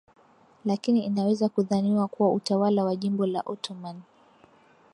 lakini inaweza kudhaniwa kuwa utawala wa jimbo la Ottoman